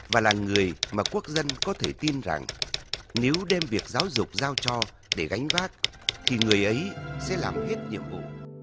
và là người mà quốc dân có thể tin rằng nếu đem việc giáo dục giao cho để gánh vác thì người ấy sẽ làm hết nhiệm vụ